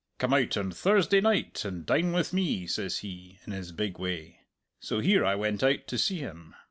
'Come out on Thursday night, and dine with me,' says he, in his big way. So here I went out to see him.